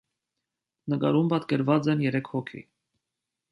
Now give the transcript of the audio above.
Նկարում պատկերված են երեք հոգի։